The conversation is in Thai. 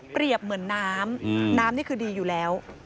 เหมือนน้ำน้ำนี่คือดีอยู่แล้ว